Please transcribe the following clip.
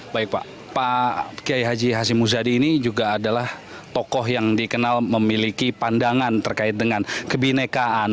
baik pak kiai haji hashim muzadi ini juga adalah tokoh yang dikenal memiliki pandangan terkait dengan kebinekaan